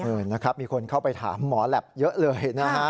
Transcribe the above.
เออนะครับมีคนเข้าไปถามหมอแหลปเยอะเลยนะฮะ